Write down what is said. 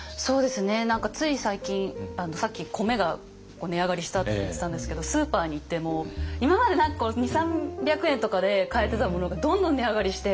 何かつい最近さっき米が値上がりしたって言ってたんですけどスーパーに行っても今まで何か２００３００円とかで買えてたものがどんどん値上がりして。